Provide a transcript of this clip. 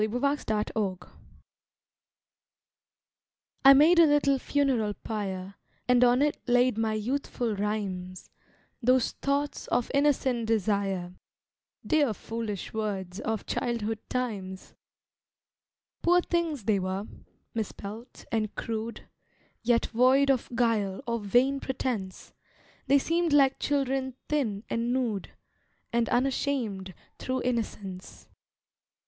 OLD VERSES I made a little funeral pyre, And on it laid my youthful rhymes, Those thoughts of innocent desire, Dear foolish words of childhood times. Poor things they were, misspelt and crude, Yet void of guile or vain pretence, They seemed like children thin and nude, And unashamed through innocence.